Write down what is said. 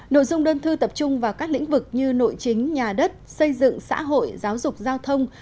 nội dung đơn thư tập trung vào các lĩnh vực như nội chính nhà đất xây dựng xã hội giáo dục giao thông